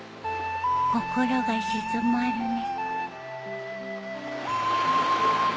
心が静まるね